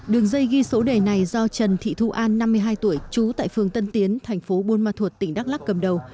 đường dây ghi số đề này do trần thị thu an năm mươi hai tuổi trú tại phường tân tiến thành phố buôn ma thuột tỉnh đắk lắc cầm đầu